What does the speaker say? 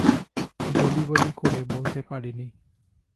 বলি বলি করে বলতে পারিনি।